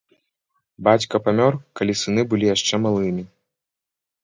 Бацька памёр, калі сыны былі яшчэ малымі.